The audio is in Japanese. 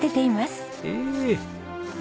へえ。